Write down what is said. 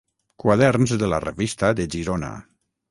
Quaderns de la Revista de Girona.